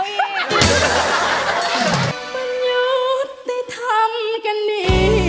มันหยุดได้ทำกันนี่